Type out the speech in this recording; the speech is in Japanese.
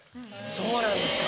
そうなんですか。